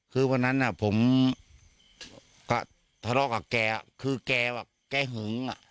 คือวันนั้นอ่ะผมก็ทะเลาะกับแกอ่ะคือแกว่าแกหึงอ่ะ